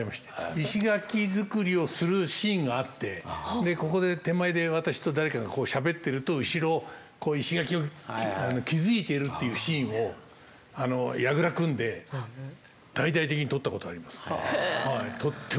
石垣造りをするシーンがあってここで手前で私と誰かがこうしゃべってると後ろをこう石垣を築いているというシーンを櫓組んで大々的に撮ったことありますね。